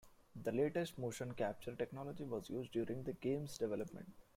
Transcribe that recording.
The latest motion capture technology was used during the game's development.